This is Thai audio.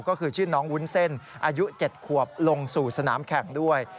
ก็คือชื่อน้องวุ้นเส้นอายุ๗ขวบลงสู่สนามแข่งด้วย